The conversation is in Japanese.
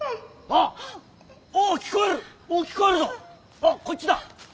あっこっちだ！